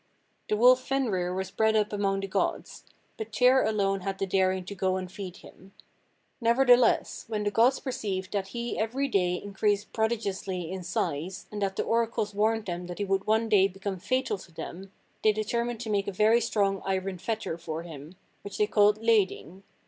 "The wolf Fenrir was bred up among the gods; but Tyr alone had the daring to go and feed him. Nevertheless, when the gods perceived that he every day increased prodigiously in size, and that the oracles warned them that he would one day become fatal to them, they determined to make a very strong iron fetter for him, which they called Læding.